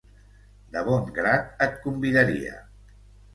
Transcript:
De bon grat et convidaria.